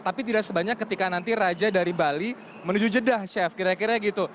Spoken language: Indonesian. tapi tidak sebanyak ketika nanti raja dari bali menuju jeddah chef kira kira gitu